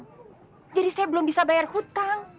wang jadi saya belum bisa bayar hutang